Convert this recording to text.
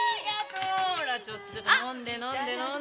ほらちょっと飲んで飲んで飲んで。